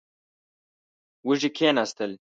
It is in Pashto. وږي کېناستل.